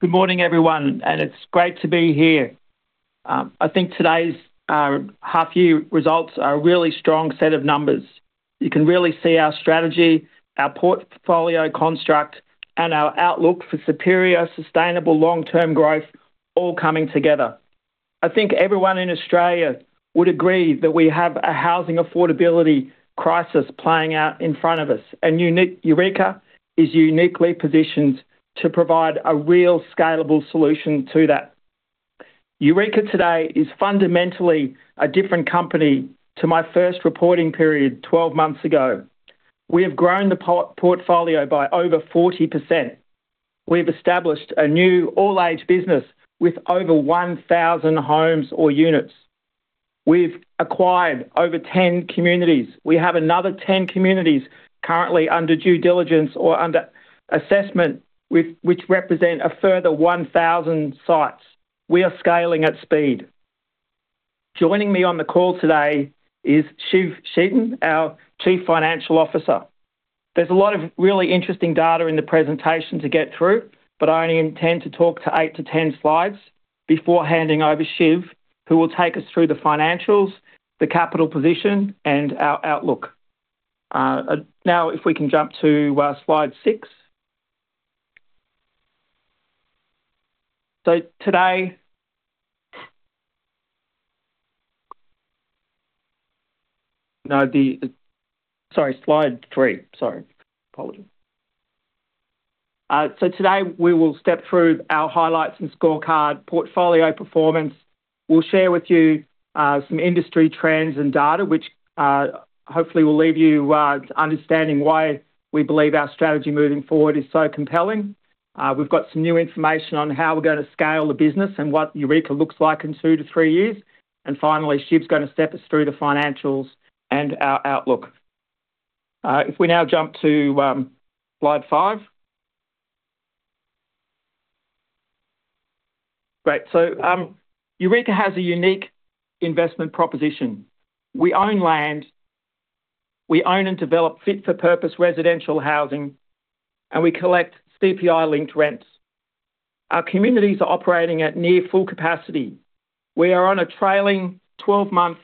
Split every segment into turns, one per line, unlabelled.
Good morning, everyone. It's great to be here. I think today's half year results are a really strong set of numbers. You can really see our strategy, our portfolio construct, and our outlook for superior, sustainable, long-term growth all coming together. I think everyone in Australia would agree that we have a housing affordability crisis playing out in front of us, Eureka is uniquely positioned to provide a real scalable solution to that. Eureka today is fundamentally a different company to my first reporting period 12 months ago. We have grown the portfolio by over 40%. We've established a new all-age business with over 1,000 homes or units. We've acquired over 10 communities. We have another 10 communities currently under due diligence or under assessment, which represent a further 1,000 sites. We are scaling at speed. Joining me on the call today is Shiv Chetan, our Chief Financial Officer. There's a lot of really interesting data in the presentation to get through, but I only intend to talk to eight to 10 slides before handing over Shiv, who will take us through the financials, the capital position, and our outlook. Now, if we can jump to slide six. Today... No, the-- Sorry, slide three. Sorry. Apologies. Today, we will step through our highlights and scorecard portfolio performance. We'll share with you some industry trends and data, which hopefully will leave you understanding why we believe our strategy moving forward is so compelling. We've got some new information on how we're gonna scale the business and what Eureka looks like in two to three years. Finally, Shiv is gonna step us through the financials and our outlook. If we now jump to slide five. Great, Eureka has a unique investment proposition. We own land, we own and develop fit-for-purpose residential housing, and we collect CPI-linked rents. Our communities are operating at near full capacity. We are on a trailing 12-month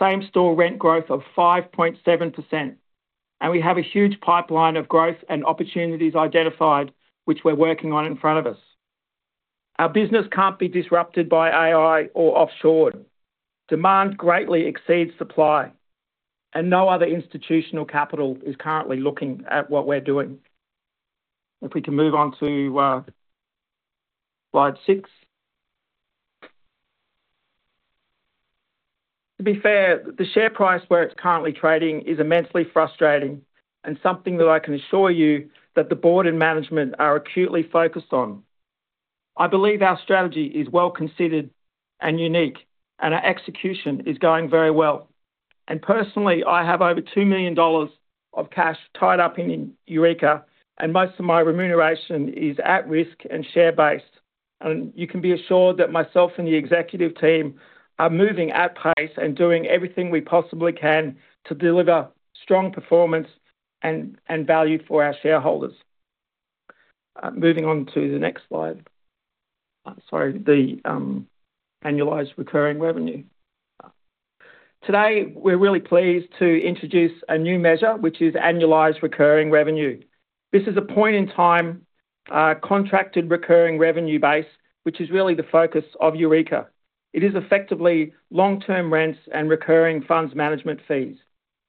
same-store rent growth of 5.7%, and we have a huge pipeline of growth and opportunities identified, which we're working on in front of us. Our business can't be disrupted by AI or offshored. Demand greatly exceeds supply, and no other institutional capital is currently looking at what we're doing. If we can move on to slide six. To be fair, the share price, where it's currently trading, is immensely frustrating and something that I can assure you that the board and management are acutely focused on. I believe our strategy is well-considered and unique, and our execution is going very well. Personally, I have over 2 million dollars of cash tied up in Eureka, and most of my remuneration is at risk and share-based. You can be assured that myself and the executive team are moving at pace and doing everything we possibly can to deliver strong performance and, and value for our shareholders. Moving on to the next slide. Sorry, the Annualized Recurring Revenue. Today, we're really pleased to introduce a new measure, which is Annualized Recurring Revenue. This is a point-in-time contracted recurring revenue base, which is really the focus of Eureka. It is effectively long-term rents and recurring funds management fees.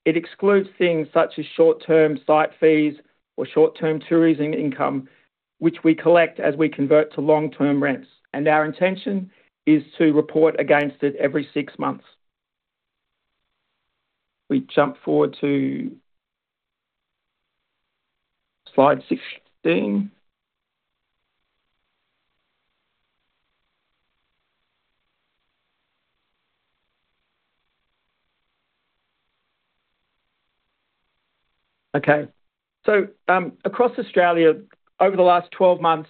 It excludes things such as short-term site fees or short-term tourism income, which we collect as we convert to long-term rents, our intention is to report against it every six months. We jump forward to slide 16. Across Australia, over the last 12 months,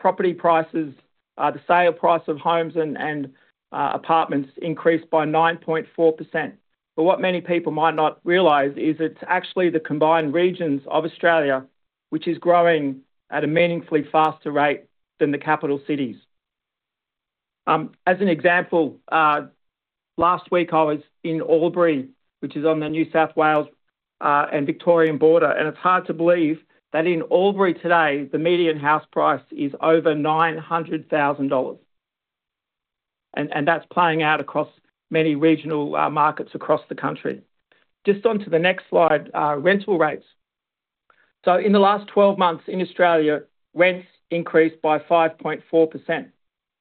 property prices, the sale price of homes and apartments increased by 9.4%. What many people might not realize is it's actually the combined regions of Australia, which is growing at a meaningfully faster rate than the capital cities. As an example, last week, I was in Albury, which is on the New South Wales and Victorian border, it's hard to believe that in Albury today, the median house price is over 900,000 dollars, and that's playing out across many regional markets across the country. On to the next slide, rental rates. In the last 12 months in Australia, rents increased by 5.4%.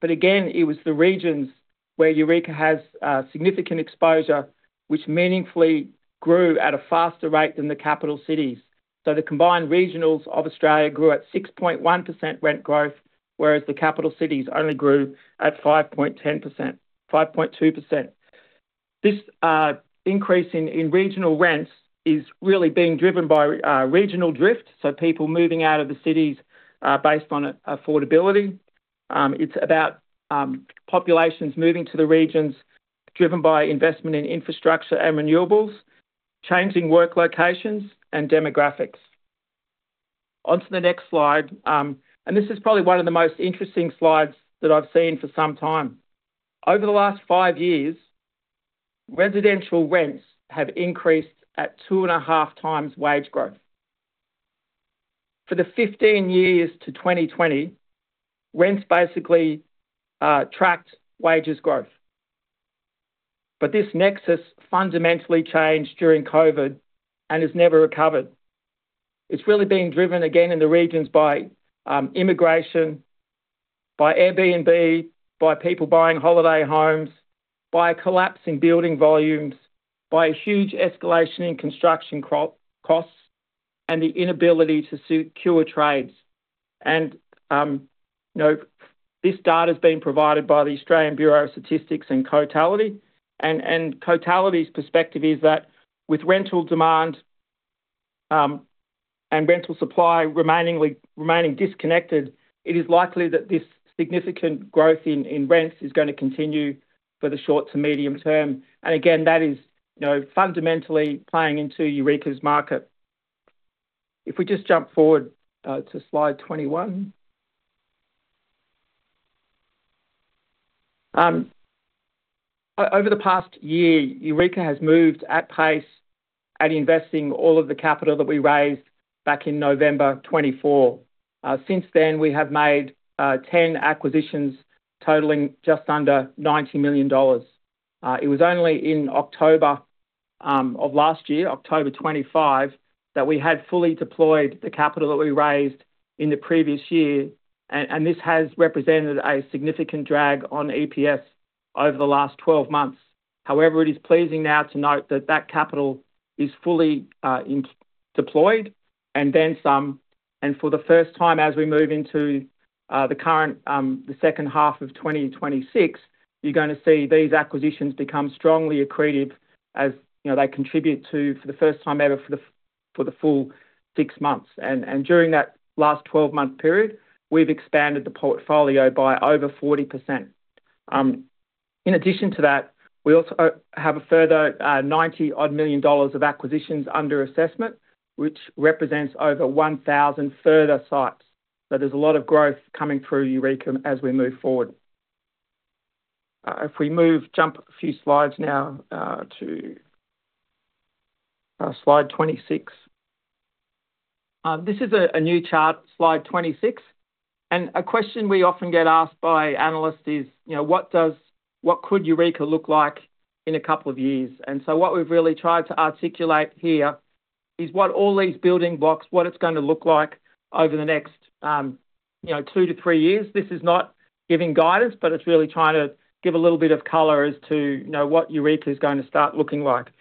Again, it was the regions where Eureka has a significant exposure, which meaningfully grew at a faster rate than the capital cities. The combined regionals of Australia grew at 6.1% rent growth, whereas the capital cities only grew at 5.2%. This increase in regional rents is really being driven by regional drift, so people moving out of the cities based on affordability. It's about populations moving to the regions, driven by investment in infrastructure and renewables, changing work locations and demographics. On to the next slide, this is probably one of the most interesting slides that I've seen for some time. Over the last five years, residential rents have increased at two and a half times wage growth. For the 15 years to 2020, rents basically tracked wages growth. This nexus fundamentally changed during COVID and has never recovered. It's really being driven again in the regions by immigration, by Airbnb, by people buying holiday homes, by a collapse in building volumes, by a huge escalation in construction costs, and the inability to secure trades. You know, this data has been provided by the Australian Bureau of Statistics and Cotality, and Cotality's perspective is that with rental demand, and rental supply remainingly, remaining disconnected, it is likely that this significant growth in rents is gonna continue for the short to medium term. Again, that is, you know, fundamentally playing into Eureka's market. If we just jump forward to slide 21. Over the past year, Eureka has moved at pace at investing all of the capital that we raised back in November 2024. Since then, we have made 10 acquisitions totaling just under 90 million dollars. It was only in October of last year, October 2025, that we had fully deployed the capital that we raised in the previous year, this has represented a significant drag on EPS over the last 12 months. However, it is pleasing now to note that, that capital is fully deployed and then some. For the first time as we move into the current, the second half of 2026, you're gonna see these acquisitions become strongly accretive, as, you know, they contribute to, for the first time ever, for the, for the full six months. During that last 12-month period, we've expanded the portfolio by over 40%. In addition to that, we also have a further 90 million dollars of acquisitions under assessment, which represents over 1,000 further sites. There's a lot of growth coming through Eureka as we move forward. If we move, jump a few slides now, to slide 26. This is a new chart, slide 26, and a question we often get asked by analysts is, you know, what does-- what could Eureka look like in a couple of years? What we've really tried to articulate here is what all these building blocks, what it's gonna look like over the next, you know, two to three years. This is not giving guidance, but it's really trying to give a little bit of color as to, you know, what Eureka is gonna start looking like.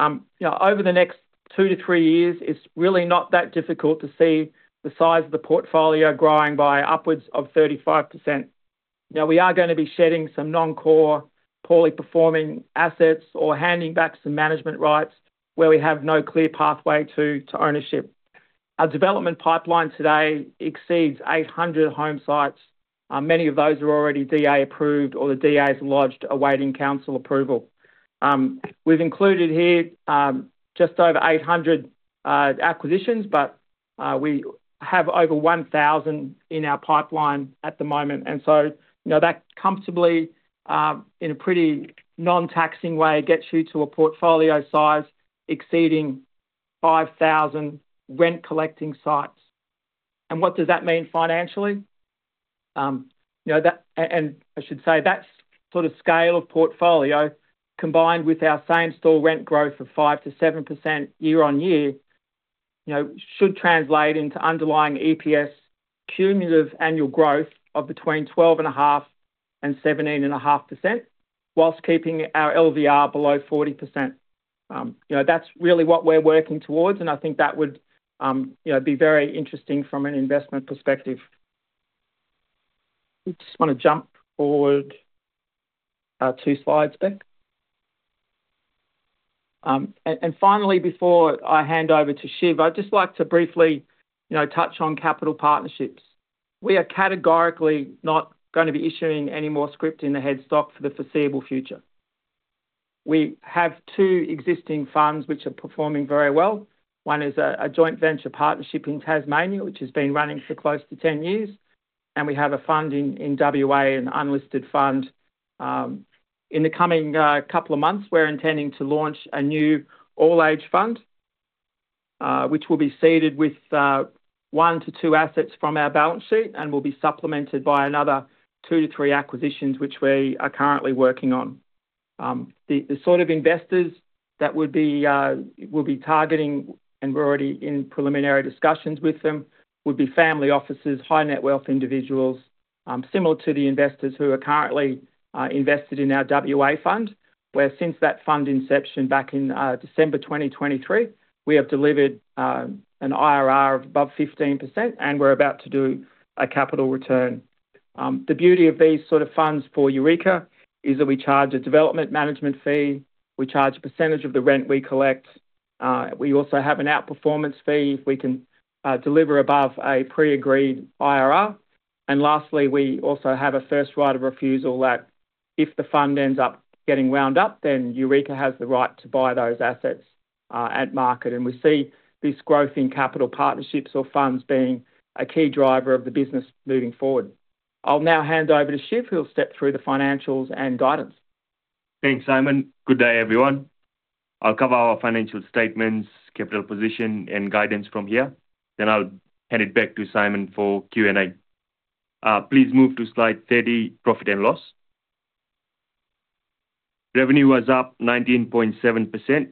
You know, over the next two to three years, it's really not that difficult to see the size of the portfolio growing by upwards of 35%. Now, we are gonna be shedding some non-core, poorly performing assets or handing back some management rights where we have no clear pathway to, to ownership. Our development pipeline today exceeds 800 home sites. Many of those are already DA approved or the DA's lodged, awaiting council approval. We've included here, just over 800 acquisitions, but we have over 1,000 in our pipeline at the moment, so, you know, that comfortably, in a pretty non-taxing way, gets you to a portfolio size exceeding 5,000 rent collecting sites. What does that mean financially? You know, that and I should say that sort of scale of portfolio, combined with our same-store rent growth of 5%-7% year on year, you know, should translate into underlying EPS cumulative annual growth of between 12.5% and 17.5%, whilst keeping our LVR below 40%. You know, that's really what we're working towards, and I think that would, you know, be very interesting from an investment perspective. We just wanna jump forward two slides back. And finally, before I hand over to Shiv, I'd just like to briefly, you know, touch on capital partnerships. We are categorically not gonna be issuing any more script in the headstock for the foreseeable future. We have two existing funds which are performing very well. One is a, a joint venture partnership in Tasmania, which has been running for close to 10 years, and we have a fund in, in WA, an unlisted fund. In the coming couple of months, we're intending to launch a new all-age fund, which will be seeded with one to two assets from our balance sheet and will be supplemented by another two to three acquisitions, which we are currently working on. The, the sort of investors that would be, we'll be targeting, and we're already in preliminary discussions with them, would be family offices, high net wealth individuals, similar to the investors who are currently invested in our WA fund. Where since that fund inception back in December 2023, we have delivered an IRR of above 15%, and we're about to do a capital return. The beauty of these sort of funds for Eureka is that we charge a development management fee, we charge a percentage of the rent we collect, we also have an outperformance fee if we can deliver above a pre-agreed IRR, and lastly, we also have a first right of refusal that. If the fund ends up getting wound up, then Eureka has the right to buy those assets at market. We see this growth in capital partnerships or funds being a key driver of the business moving forward. I'll now hand over to Shiv, who'll step through the financials and guidance.
Thanks, Simon. Good day, everyone. I'll cover our financial statements, capital position, and guidance from here, then I'll hand it back to Simon for Q&A. Please move to slide 30, profit and loss. Revenue was up 19.7%,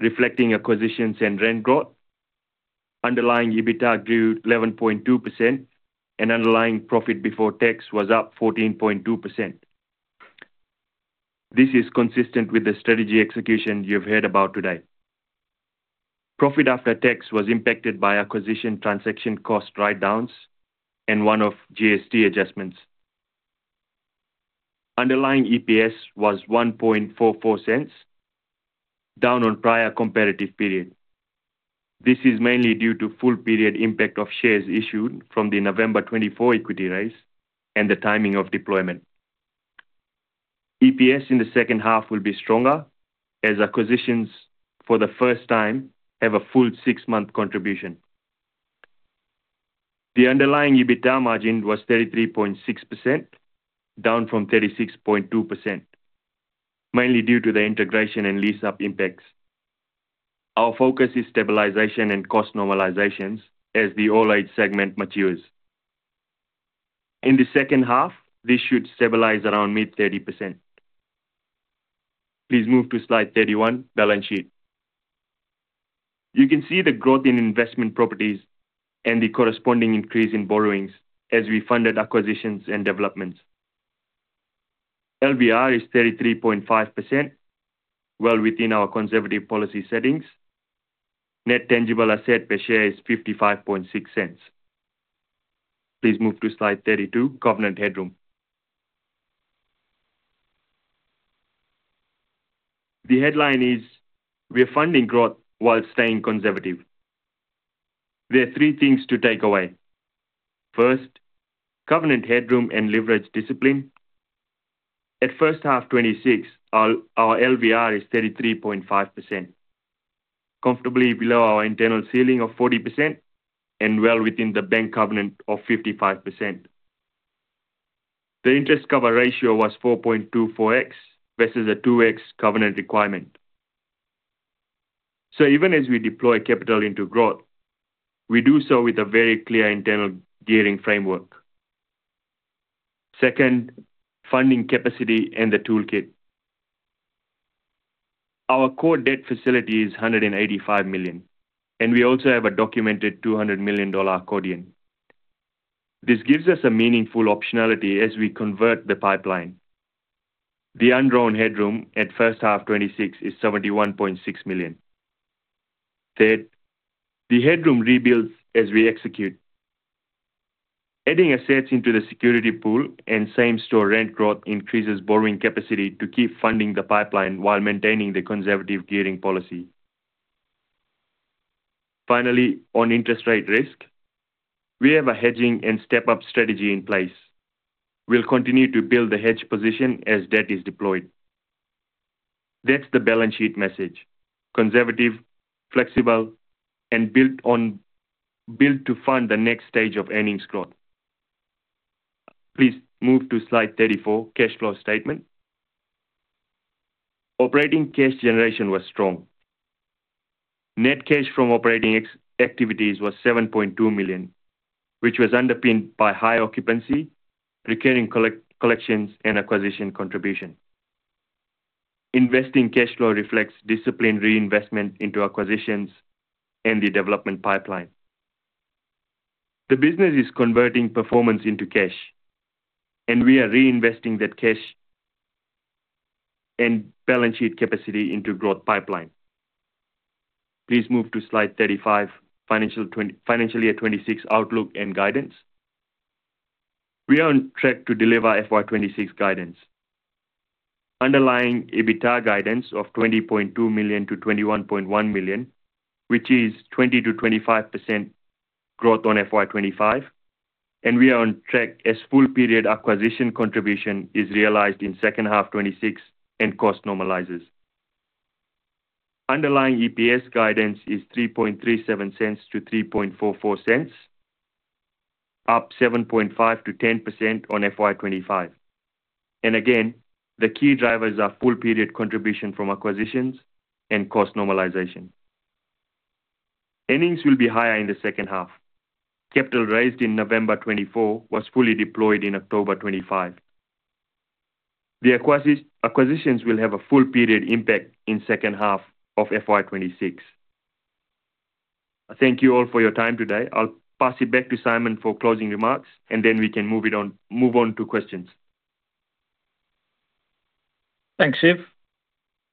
reflecting acquisitions and rent growth. Underlying EBITDA grew 11.2%, and underlying profit before tax was up 14.2%. This is consistent with the strategy execution you've heard about today. Profit after tax was impacted by acquisition transaction cost write-downs and one-off GST adjustments. Underlying EPS was 0.0144, down on prior comparative period. This is mainly due to full period impact of shares issued from the November 2024 equity raise and the timing of deployment. EPS in the second half will be stronger as acquisitions for the first time have a full six-month contribution. The underlying EBITDA margin was 33.6%, down from 36.2%, mainly due to the integration and lease-up impacts. Our focus is stabilization and cost normalizations as the All-Age segment matures. In the second half, this should stabilize around mid-30%. Please move to slide 31, balance sheet. You can see the growth in investment properties and the corresponding increase in borrowings as we funded acquisitions and developments. LVR is 33.5%, well within our conservative policy settings. Net Tangible Asset per share is 0.556. Please move to slide 32, covenant headroom. The headline is, We are funding growth while staying conservative. There are three things to take away. First, covenant headroom and leverage discipline. At first half 2026, our, our LVR is 33.5%, comfortably below our internal ceiling of 40% and well within the bank covenant of 55%. The interest cover ratio was 4.24x, versus a 2x covenant requirement. Even as we deploy capital into growth, we do so with a very clear internal gearing framework. Second, funding capacity and the toolkit. Our core debt facility is 185 million, and we also have a documented 200 million dollar accordion. This gives us a meaningful optionality as we convert the pipeline. The undrawn headroom at first half 2026 is 71.6 million. Third, the headroom rebuilds as we execute. Adding assets into the security pool and same-store rent growth increases borrowing capacity to keep funding the pipeline while maintaining the conservative gearing policy. Finally, on interest rate risk, we have a hedging and step-up strategy in place. We'll continue to build the hedge position as debt is deployed. That's the balance sheet message: conservative, flexible, and built to fund the next stage of earnings growth. Please move to slide 34, cash flow statement. Operating cash generation was strong. Net cash from operating activities was 7.2 million, which was underpinned by high occupancy, recurring collections, and acquisition contribution. Investing cash flow reflects disciplined reinvestment into acquisitions and the development pipeline. The business is converting performance into cash. We are reinvesting that cash and balance sheet capacity into growth pipeline. Please move to slide 35, financial year 26 outlook and guidance. We are on track to deliver FY 26 guidance. Underlying EBITDA guidance of 20.2 million-21.1 million, which is 20%-25% growth on FY25. We are on track as full period acquisition contribution is realized in second half 2026 and cost normalizes. Underlying EPS guidance is 0.0337-0.0344, up 7.5%-10% on FY25. Again, the key drivers are full period contribution from acquisitions and cost normalization. Earnings will be higher in the second half. Capital raised in November 2024 was fully deployed in October 2025. The acquisitions will have a full period impact in second half of FY26. Thank you all for your time today. I'll pass it back to Simon for closing remarks, and then we can move on to questions.
Thanks, Shiv.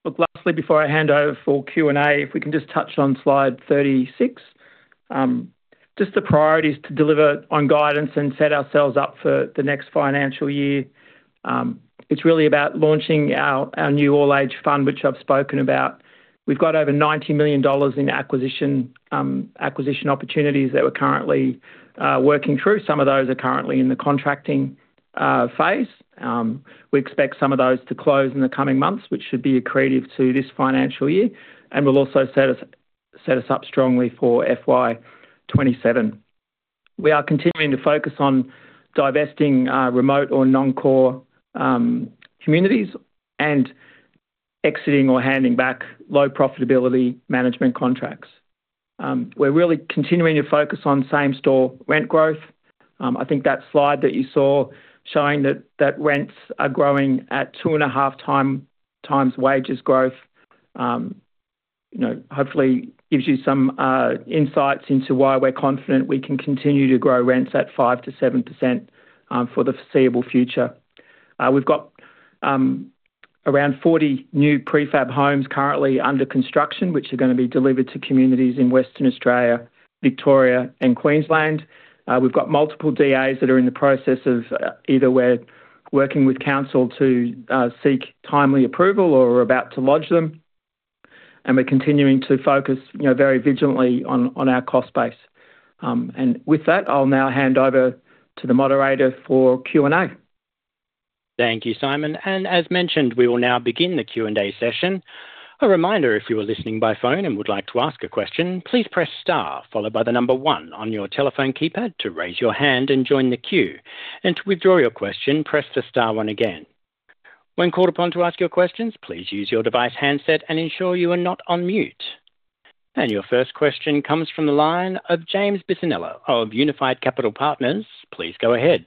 Look, lastly, before I hand over for Q&A, if we can just touch on slide 36. Just the priorities to deliver on guidance and set ourselves up for the next financial year. It's really about launching our, our new All-age fund, which I've spoken about. We've got over 90 million dollars in acquisition opportunities that we're currently working through. Some of those are currently in the contracting phase. We expect some of those to close in the coming months, which should be accretive to this financial year and will also set us, set us up strongly for FY27. We are continuing to focus on divesting remote or non-core communities and exiting or handing back low profitability management contracts. We're really continuing to focus on same-store rent growth. I think that slide that you saw showing that, that rents are growing at two and a half times wages growth, you know, hopefully gives you some insights into why we're confident we can continue to grow rents at 5%-7% for the foreseeable future. We've got around 40 new prefab homes currently under construction, which are gonna be delivered to communities in Western Australia, Victoria and Queensland. We've got multiple DAs that are in the process of either we're working with council to seek timely approval or are about to lodge them, and we're continuing to focus, you know, very vigilantly on, on our cost base. With that, I'll now hand over to the moderator for Q&A.
Thank you, Simon. As mentioned, we will now begin the Q&A session. A reminder, if you are listening by phone and would like to ask a question, please press star followed by 1 on your telephone keypad to raise your hand and join the queue. To withdraw your question, press the star one again. When called upon to ask your questions, please use your device handset and ensure you are not on mute. Your first question comes from the line of James Bisogno of Unified Capital Partners. Please go ahead.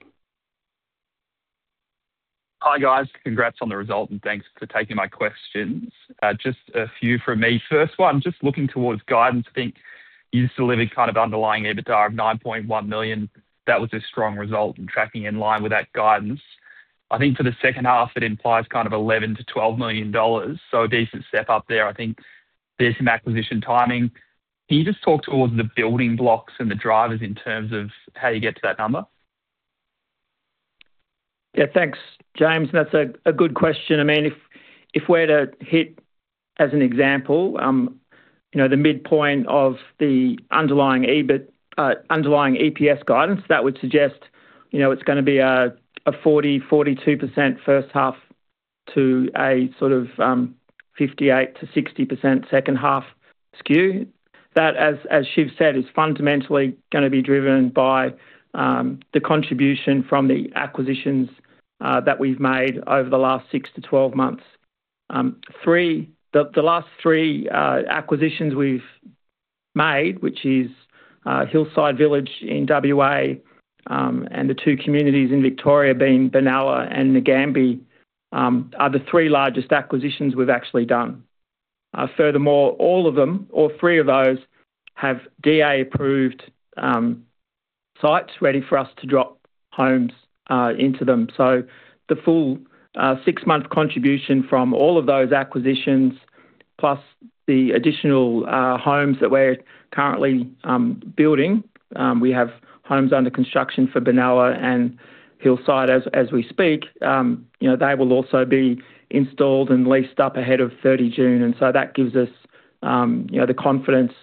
Hi, guys. Congrats on the result, and thanks for taking my questions. Just a few from me. First one, just looking towards guidance, I think you still live in kind of underlying EBITDA of 9.1 million. That was a strong result and tracking in line with that guidance. I think for the second half, it implies kind of 11 million-12 million dollars, so a decent step up there. I think there's some acquisition timing. Can you just talk to all of the building blocks and the drivers in terms of how you get to that number?
Yeah. Thanks, James. That's a, a good question. I mean, if, if we're to hit, as an example, you know, the midpoint of the underlying underlying EPS guidance, that would suggest, you know, it's gonna be a, a 40%-42% first half to a sort of, 58%-60% second half skew. That, as, as Shiv said, is fundamentally gonna be driven by the contribution from the acquisitions that we've made over the last six to 12 months. The last three acquisitions we've made, which is, Hillside Village in WA, and the 2 communities in Victoria being Benalla and Nagambie, are the 3 largest acquisitions we've actually done. Furthermore, all of them, all 3 of those have DA-approved sites ready for us to drop homes into them. The full six-month contribution from all of those acquisitions, plus the additional homes that we're currently building, we have homes under construction for Benalla and Hillside as we speak. You know, they will also be installed and leased up ahead of 30 June, and so that gives us, you know, the confidence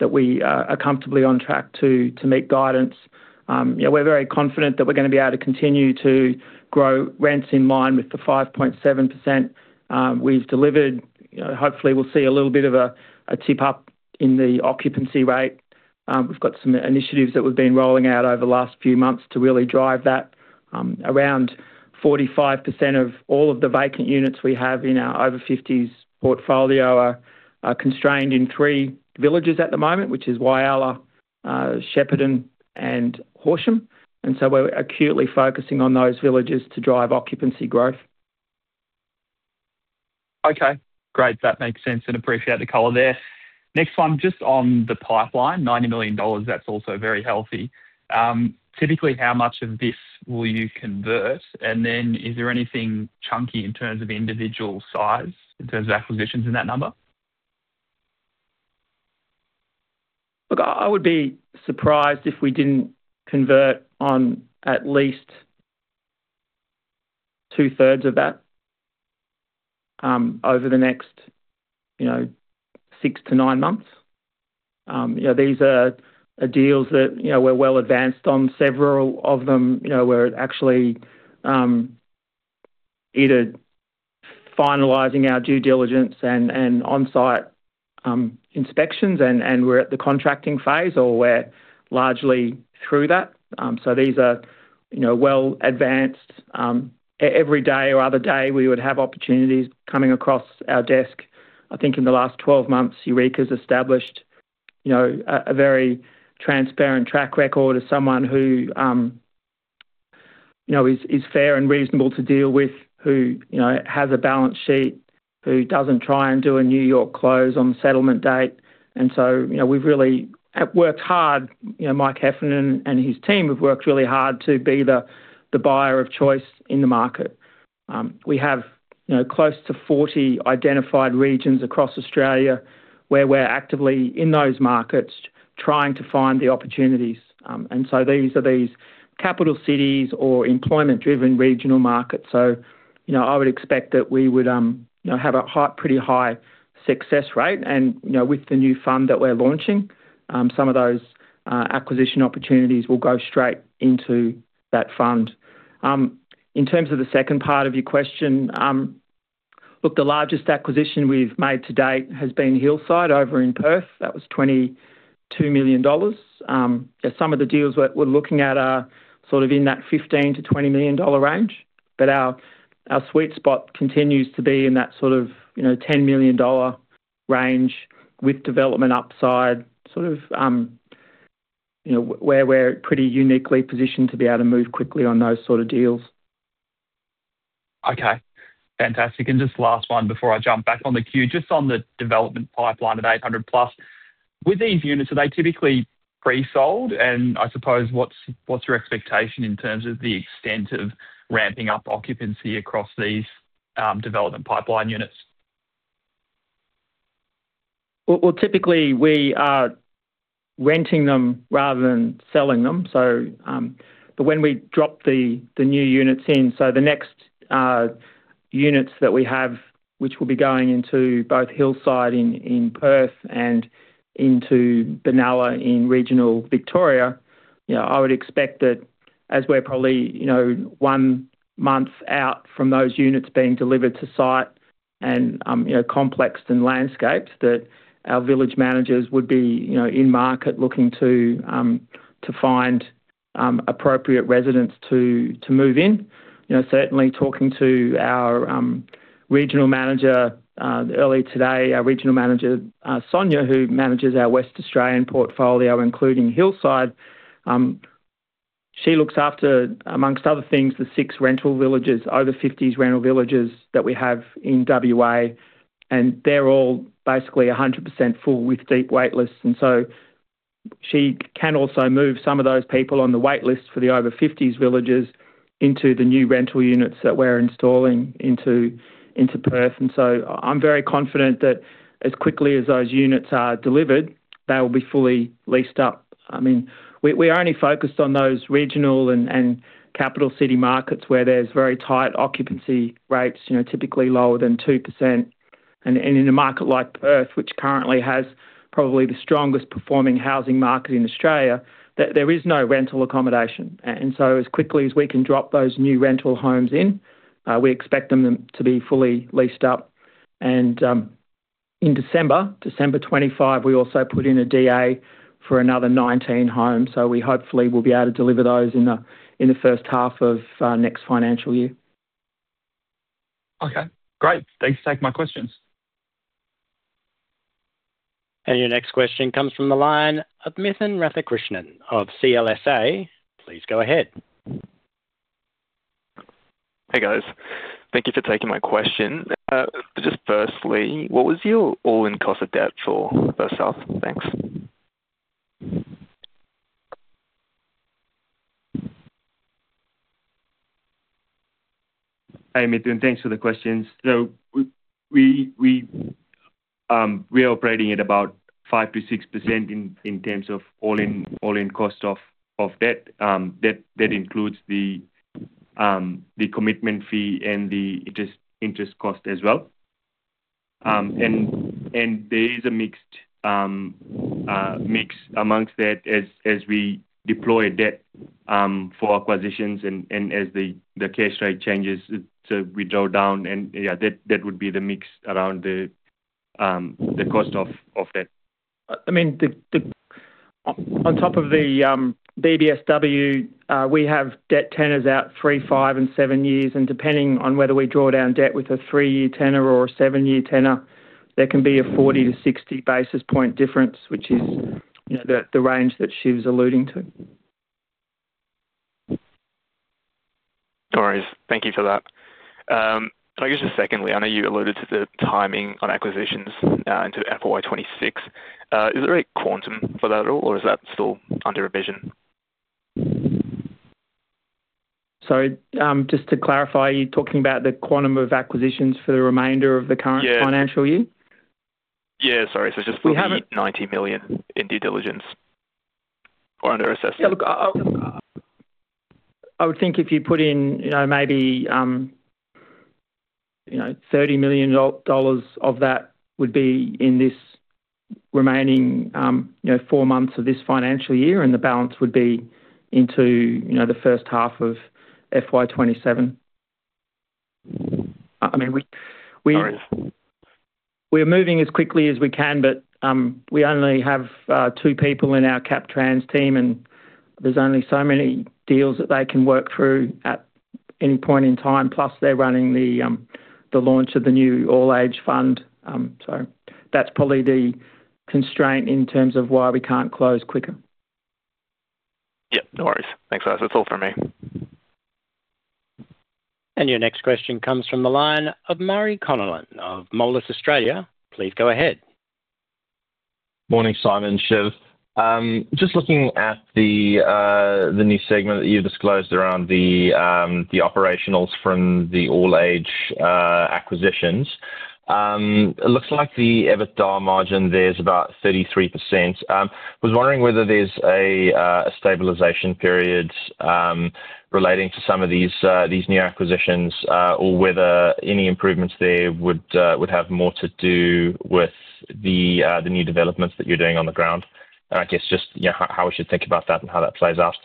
that we are comfortably on track to meet guidance. You know, we're very confident that we're gonna be able to continue to grow rents in line with the 5.7% we've delivered. You know, hopefully, we'll see a little bit of a tip-up in the occupancy rate. We've got some initiatives that we've been rolling out over the last few months to really drive that. Around 45% of all of the vacant units we have in our over-fifties portfolio are constrained in three villages at the moment, which is Whyalla, Shepparton, and Horsham. So we're acutely focusing on those villages to drive occupancy growth.
Okay, great. That makes sense. Appreciate the color there. Next one, just on the pipeline, 90 million dollars, that's also very healthy. Typically, how much of this will you convert? Then is there anything chunky in terms of individual size, in terms of acquisitions in that number?
Look, I, I would be surprised if we didn't convert on at least two-thirds of that, over the next, you know, six to nine months. You know, these are, are deals that, you know, we're well advanced on several of them. You know, we're actually, either finalizing our due diligence and, and on-site, inspections, and, and we're at the contracting phase, or we're largely through that. These are, you know, well advanced. E-every day or other day, we would have opportunities coming across our desk. I think in the last 12 months, Eureka's established, you know, a, a very transparent track record as someone who, you know, is, is fair and reasonable to deal with, who, you know, has a balance sheet, who doesn't try and do a New York close on settlement date. You know, we've really worked hard. You know, Mike Heffernan and his team have worked really hard to be the, the buyer of choice in the market. We have, you know, close to 40 identified regions across Australia, where we're actively in those markets trying to find the opportunities. So these are these capital cities or employment-driven regional markets. You know, I would expect that we would, you know, have a pretty high success rate. And, you know, with the new fund that we're launching, some of those acquisition opportunities will go straight into that fund. In terms of the second part of your question, Look, the largest acquisition we've made to date has been Hillside over in Perth. That was 22 million dollars. Some of the deals we're, we're looking at are sort of in that 15 million-20 million dollar range, but our, our sweet spot continues to be in that sort of, you know, 10 million dollar range with development upside, sort of, you know, where, where we're pretty uniquely positioned to be able to move quickly on those sort of deals.
Okay, fantastic. Just last one before I jump back on the queue, just on the development pipeline of 800+. With these units, are they typically pre-sold? I suppose, what's, what's your expectation in terms of the extent of ramping up occupancy across these development pipeline units?
Well, typically, we are renting them rather than selling them. But when we drop the new units in, so the next units that we have, which will be going into both Hillside in Perth and into Benalla in regional Victoria, you know, I would expect that as we're probably, you know, one month out from those units being delivered to site and, you know, complex and landscaped, that our village managers would be, you know, in market looking to find appropriate residents to move in. You know, certainly talking to our regional manager early today, our regional manager Sonia, who manages our Western Australian portfolio, including Hillside. She looks after, amongst other things, the 6 rental villages, over-fifties rental villages that we have in WA, and they're all basically 100% full with deep wait lists. She can also move some of those people on the wait list for the over-fifties villages into the new rental units that we're installing into, into Perth. I'm very confident that as quickly as those units are delivered, they will be fully leased up. I mean, we, we are only focused on those regional and, and capital city markets where there's very tight occupancy rates, you know, typically lower than 2%. In a market like Perth, which currently has probably the strongest performing housing market in Australia, that there is no rental accommodation. As quickly as we can drop those new rental homes in, we expect them to be fully leased up. In December 2025, we also put in a DA for another 19 homes, so we hopefully will be able to deliver those in the first half of next financial year.
Okay, great. Thanks for taking my questions.
Your next question comes from the line of Mithun Rathakrishnan of CLSA. Please go ahead.
Hey, guys. Thank you for taking my question. Just firstly, what was your all-in cost of debt for Verso? Thanks.
Hey, Mithun, thanks for the questions. We, we, we, we are operating at about 5%-6% in, in terms of all-in, all-in cost of, of debt. That, that includes the, the commitment fee and the interest, interest cost as well. There is a mixed, mix amongst that as, as we deploy debt, for acquisitions and, and as the, the cash rate changes, so we draw down, and, yeah, that, that would be the mix around the, the cost of, of debt.
I mean, the, the-- on top of the BBSW, we have debt tenors out three, five, and seven years, and depending on whether we draw down debt with a three-year tenor or a seven-year tenor, there can be a 40 to 60 basis point difference, which is, you know, the, the range that Shiv was alluding to.
No worries. Thank you for that. I guess just secondly, I know you alluded to the timing on acquisitions into FY26. Is there a quantum for that at all, or is that still under revision?
Sorry, just to clarify, you're talking about the quantum of acquisitions for the remainder of the current...
Yeah
financial year?
Yeah, sorry.
We have it.
Just the 90 million in due diligence or under assessment.
Yeah, look, I, I would think if you put in, you know, maybe, you know, 30 million dollars of that would be in this remaining, you know, four months of this financial year, and the balance would be into, you know, the first half of FY27. I mean, we, we.
All right.
We are moving as quickly as we can, but, we only have, two people in our Capital Transactions team, and there's only so many deals that they can work through at any point in time, plus they're running the launch of the new all-age fund. That's probably the constraint in terms of why we can't close quicker.
Yep. No worries. Thanks, guys. That's all from me.
Your next question comes from the line of Murray Connellan of Moelis Australia. Please go ahead.
Morning, Simon and Shiv. Just looking at the new segment that you disclosed around the operationals from the All Age acquisitions, it looks like the EBITDA margin there is about 33%. I was wondering whether there's a stabilization period relating to some of these new acquisitions, or whether any improvements there would have more to do with the new developments that you're doing on the ground. I guess just, yeah, how we should think about that and how that plays out....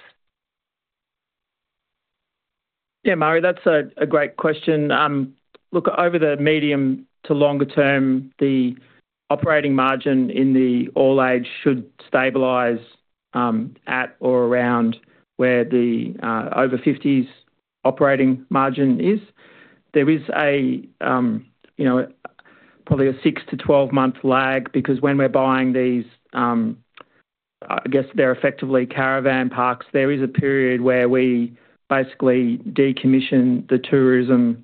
Yeah, Murray, that's a, a great question. Look, over the medium to longer term, the operating margin in the all-age should stabilize, at or around where the over-fifties operating margin is. There is a, you know, probably a six to 12 month lag because when we're buying these, I guess they're effectively caravan parks. There is a period where we basically decommission the tourism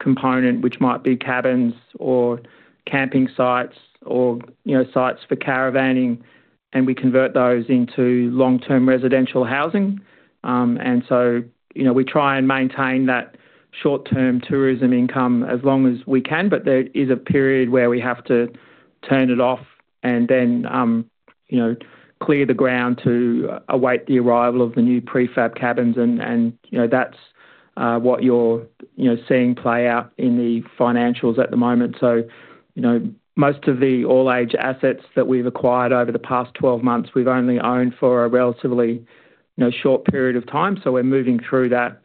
component, which might be cabins or camping sites or, you know, sites for caravaning, and we convert those into long-term residential housing. So, you know, we try and maintain that short-term tourism income as long as we can, but there is a period where we have to turn it off and then, you know, clear the ground to await the arrival of the new prefab cabins, and, and, you know, that's, what you're, you know, seeing play out in the financials at the moment. You know, most of the all-age assets that we've acquired over the past 12 months, we've only owned for a relatively, you know, short period of time, so we're moving through that,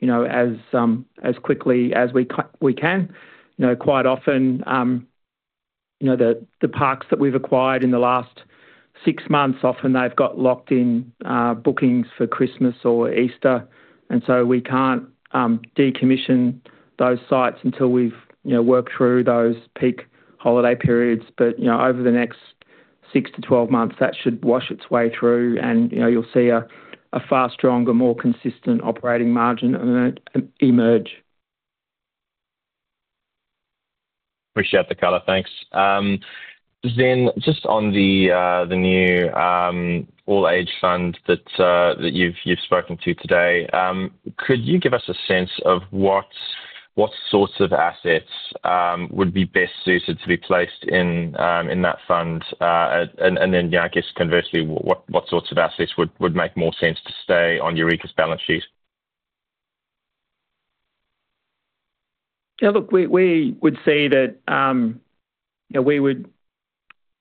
you know, as quickly as we can. You know, quite often, you know, the, the parks that we've acquired in the last six months, often they've got locked-in, bookings for Christmas or Easter, and so we can't decommission those sites until we've, you know, worked through those peak holiday periods. You know, over the next six to 12 months, that should wash its way through and, you know, you'll see a, a far stronger, more consistent operating margin, emerge.
Appreciate the color. Thanks. Then just on the new all-age fund that you've spoken to today, could you give us a sense of what sorts of assets would be best suited to be placed in that fund? And then, I guess, conversely, what sorts of assets would make more sense to stay on Eureka's balance sheet?
Yeah, look, we, we would say that we would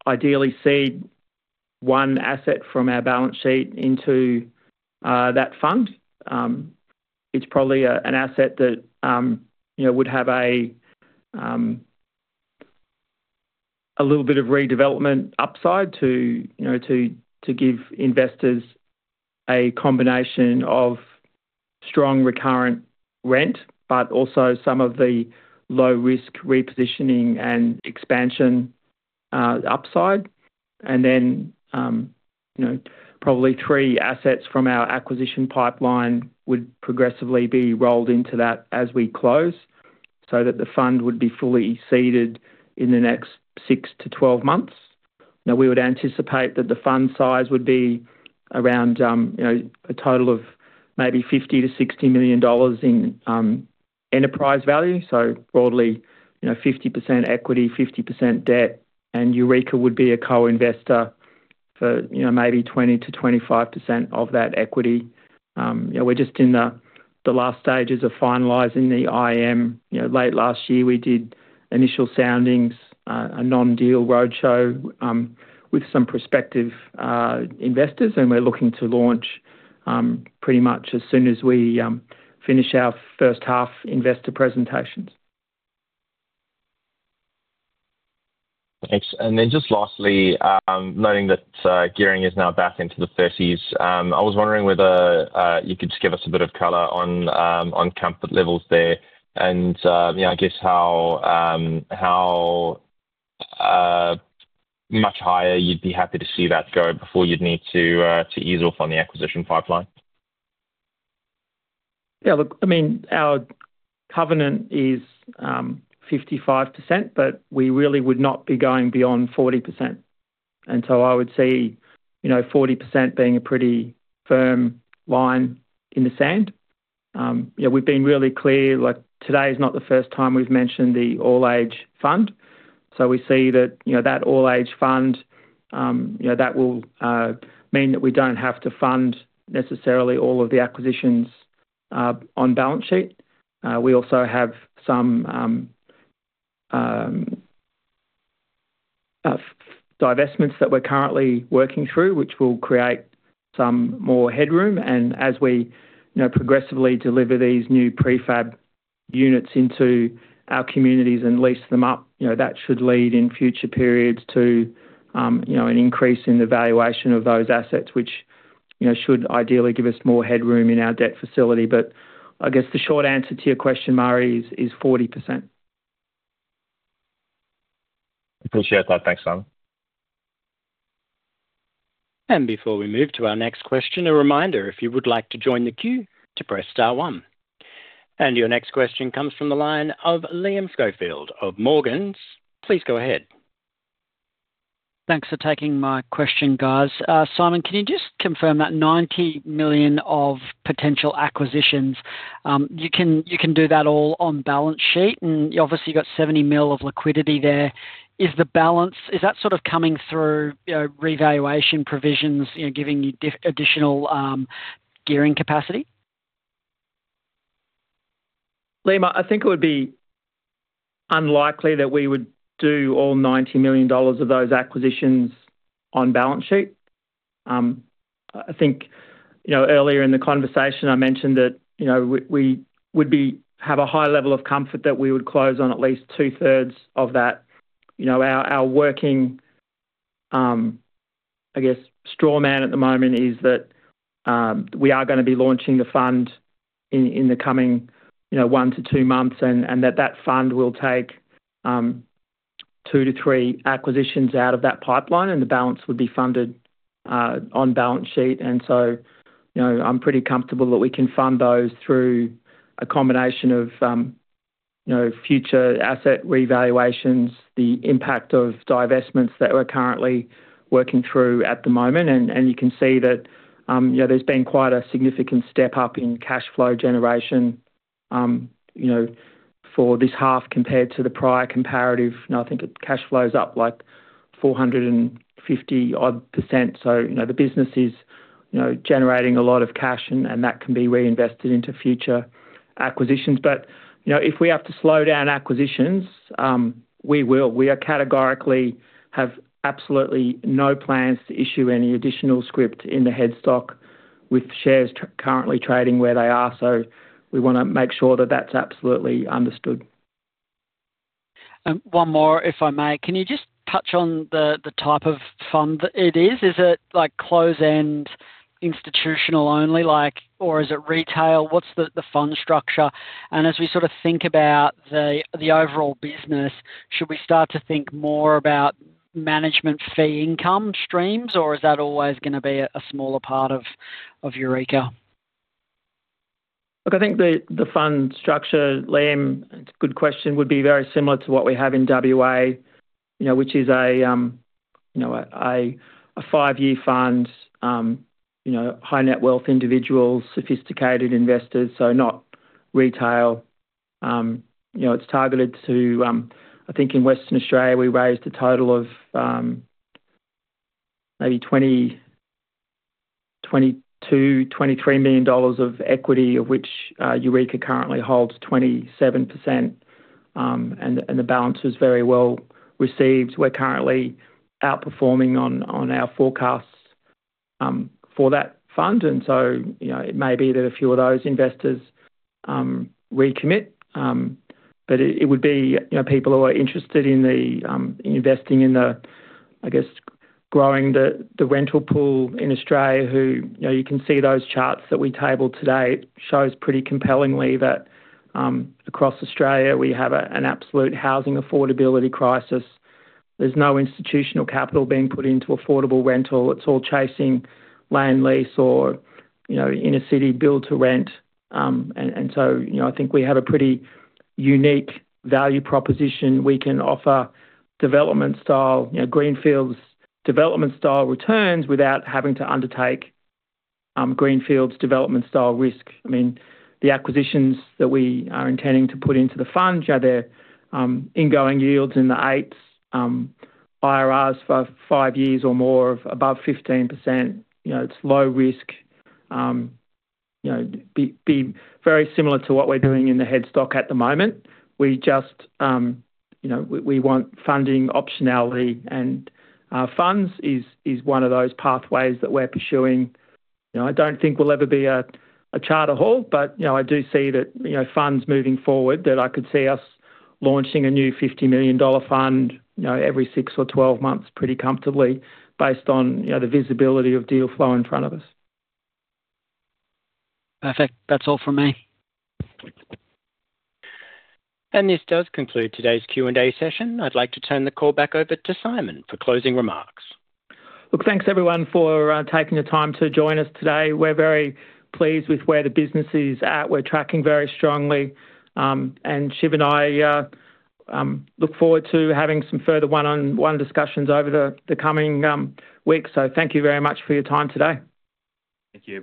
ideally seed 1 asset from our balance sheet into that fund. It's probably an asset that would have a little bit of redevelopment upside to give investors a combination of strong recurrent rent, but also some of the low-risk repositioning and expansion, upside. Then, probably 3 assets from our acquisition pipeline would progressively be rolled into that as we close, so that the fund would be fully seeded in the next six to 12 months. We would anticipate that the fund size would be around, you know, a total of maybe 50 million-60 million dollars in enterprise value, so broadly, you know, 50% equity, 50% debt, and Eureka would be a co-investor for, you know, maybe 20%-25% of that equity. Yeah, we're just in the, the last stages of finalizing the IM. You know, late last year, we did initial soundings, a non-deal roadshow, with some prospective investors, and we're looking to launch pretty much as soon as we finish our first half investor presentations.
Thanks. Then just lastly, noting that gearing is now back into the 30s, I was wondering whether you could just give us a bit of color on comfort levels there, and, you know, I guess how much higher you'd be happy to see that go before you'd need to ease off on the acquisition pipeline?
Look, I mean, our covenant is 55%, but we really would not be going beyond 40%. I would say, you know, 40% being a pretty firm line in the sand. Yeah, we've been really clear, like, today is not the first time we've mentioned the all-age fund. We see that, you know, that all-age fund, you know, that will mean that we don't have to fund necessarily all of the acquisitions on balance sheet. We also have some divestments that we're currently working through, which will create some more headroom, and as we, you know, progressively deliver these new prefab units into our communities and lease them up, you know, that should lead in future periods to, you know, an increase in the valuation of those assets, which, you know, should ideally give us more headroom in our debt facility. I guess the short answer to your question, Murray, is, is 40%.
Appreciate that. Thanks, Simon.
Before we move to our next question, a reminder, if you would like to join the queue, to press star one. Your next question comes from the line of Liam Schofield of Morgans. Please go ahead.
Thanks for taking my question, guys. Simon, can you just confirm that 90 million of potential acquisitions, you can, you can do that all on balance sheet, and you obviously got 70 million of liquidity there. Is that sort of coming through, you know, revaluation provisions, you know, giving you additional gearing capacity?...
Liam, I think it would be unlikely that we would do all 90 million dollars of those acquisitions on balance sheet. I think, you know, earlier in the conversation, I mentioned that, you know, we, we would be-- have a high level of comfort that we would close on at least two-thirds of that. You know, our, our working, I guess, straw man at the moment is that, we are gonna be launching the fund in, in the coming, you know, one to two months, and, and that, that fund will take, two to three acquisitions out of that pipeline, and the balance would be funded, on balance sheet. So, you know, I'm pretty comfortable that we can fund those through a combination of, you know, future asset revaluations, the impact of divestments that we're currently working through at the moment. You can see that, you know, there's been quite a significant step-up in cash flow generation, you know, for this half compared to the prior comparative. I think the cash flow is up, like, 450 odd %. You know, the business is, you know, generating a lot of cash, and that can be reinvested into future acquisitions. You know, if we have to slow down acquisitions, we will. We are categorically have absolutely no plans to issue any additional scrip in the headstock with shares currently trading where they are, so we wanna make sure that that's absolutely understood.
One more, if I may. Can you just touch on the, the type of fund it is? Is it close-end, institutional only, or is it retail? What's the, the fund structure? As we sort of think about the, the overall business, should we start to think more about management fee income streams, or is that always gonna be a, a smaller part of, of Eureka?
Look, I think the, the fund structure, Liam, it's a good question, would be very similar to what we have in WA, you know, which is a, you know, a five-year fund, you know, high-net wealth individuals, sophisticated investors, so not retail. You know, it's targeted to... I think in Western Australia, we raised a total of, maybe 20 million-23 million dollars of equity, of which Eureka currently holds 27%, and the balance was very well received. We're currently outperforming on our forecasts for that fund, and so, you know, it may be that a few of those investors recommit. it, it would be, you know, people who are interested in the, in investing in the, I guess, growing the, the rental pool in Australia, who, you know, you can see those charts that we tabled today shows pretty compellingly that, across Australia, we have a, an absolute housing affordability crisis. There's no institutional capital being put into affordable rental. It's all chasing land lease or, you know, inner-city build to rent. you know, I think we have a pretty unique value proposition. We can offer development style, you know, greenfields development style returns without having to undertake, greenfields development style risk. I mean, the acquisitions that we are intending to put into the fund, yeah, they're, ingoing yields in the 8s, IRRs for five years or more of above 15%. You know, it's low risk, you know, be very similar to what we're doing in the headstock at the moment. We just, you know, we want funding optionality, and funds is, is one of those pathways that we're pursuing. You know, I don't think we'll ever be a, a Charter Hall, but, you know, I do see that, you know, funds moving forward, that I could see us launching a new 50 million dollar fund, you know, every six or 12 months pretty comfortably based on, you know, the visibility of deal flow in front of us.
Perfect. That's all from me.
This does conclude today's Q&A session. I'd like to turn the call back over to Simon for closing remarks.
Look, thanks, everyone, for taking the time to join us today. We're very pleased with where the business is at. We're tracking very strongly, and Shiv and I look forward to having some further one-on-one discussions over the coming weeks. Thank you very much for your time today.
Thank you.